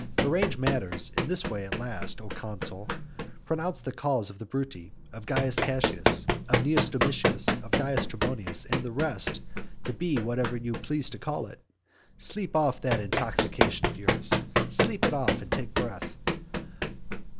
Arrange matters in this way at last, O consul; pronounce the cause of the Bruti, of Caius Cassius, of Cnaeus Domitius, of Caius Trebonius and the rest to be whatever you please to call it: sleep off that intoxication of yours, sleep it off and take breath.